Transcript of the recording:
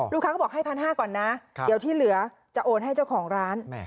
เขาบอกให้๑๕๐๐ก่อนนะเดี๋ยวที่เหลือจะโอนให้เจ้าของร้าน